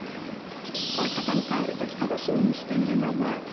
大阪に帰るとき楽しみにしているのが。